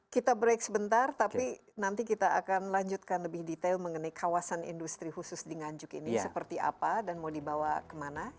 kita break sebentar tapi nanti kita akan lanjutkan lebih detail mengenai kawasan industri khusus di nganjuk ini seperti apa dan mau dibawa kemana